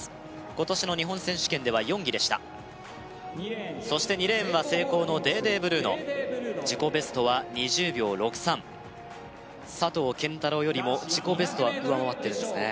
今年の日本選手権では４位でしたそして２レーンはセイコーのデーデーブルーノ自己ベストは２０秒６３佐藤拳太郎よりも自己ベストは上回ってるんですね